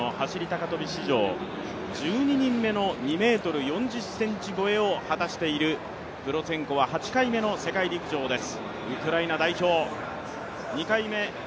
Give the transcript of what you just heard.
男子の走高跳史上、１２人目の２ｍ４０ｃｍ越えを果たしているプロツェンコは８回目の世界陸上です。